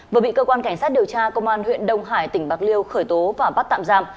vừa bị cơ quan cảnh sát điều tra công an huyện đông hải tỉnh bạc liêu khởi tố và bắt tạm giam